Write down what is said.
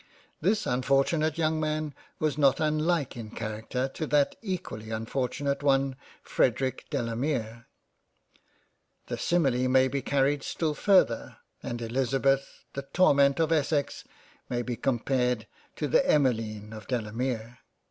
This unfortunate young Man was not unlike in character to that equally unfortunate one Frederic Delamere. The simile may be carried still farther, and Elizabeth the torment of Essex may be compared to the Emmeline of Dela mere.